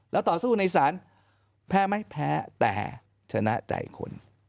แล้วต่อสู้ในศาลแพ้ไม่แพ้แต่ชนะใจคน